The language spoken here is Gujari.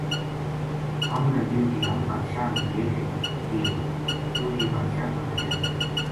ہمنا دیوں جی ہم بادشاہ نا لے کے دیاں کیوں جی بادشاہ کا بچہ نیہہ